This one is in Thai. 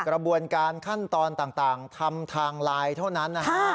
กระบวนการขั้นตอนต่างทำทางไลน์เท่านั้นนะฮะ